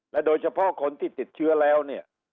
โดยเฉพาะคนที่ติดเชื้อแล้วเนี่ย